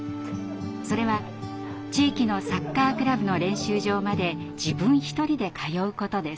それは地域のサッカークラブの練習場まで自分一人で通うことです。